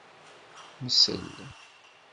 Msel.